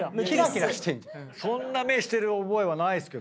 そんな目してる覚えはないです。